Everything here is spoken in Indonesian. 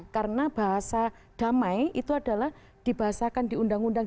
karena bahasa damai itu adalah dibahasakan di undang undang